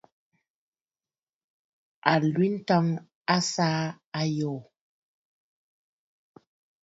Àlwintɔŋ a saà àyoò.